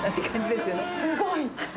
すごい。